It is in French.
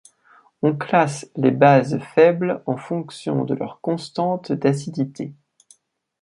On classe les bases faibles en fonction de leur constante d'acidité.